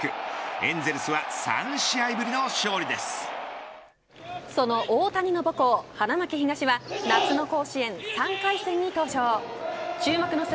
エンゼルスはその大谷の母校、花巻東は夏の甲子園３回戦に登場。